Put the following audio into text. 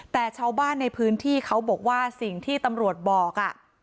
แต่ชาวบ้านในพื้นที่เขาบอกว่าสิ่งที่ตำรวจบอก